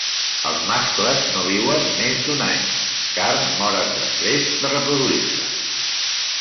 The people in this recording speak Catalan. Els mascles no viuen més d'un any, car moren després de reproduir-se.